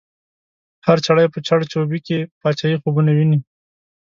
هر چړی په چړ چوبی کی، پاچایی خوبونه وینی